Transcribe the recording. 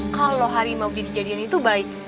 kalau hari mau jadi jadian itu baik